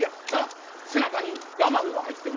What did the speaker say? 背中に我慢が入ってる。